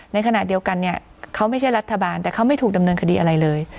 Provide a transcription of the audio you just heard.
ในขณะเดียวกันเนี่ยเขาไม่ใช่รัฐบาลแต่เขาไม่ถูกดำเนินคดีอะไรเลย